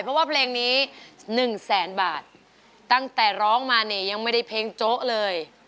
เพราะว่าเพลงนี้๑แสนบาทตั้งแต่ร้องมาเนี่ยยังไม่ได้เพลงโจ๊ะเลย